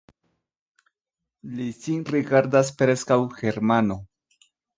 Li sin rigardas preskaŭ Germano.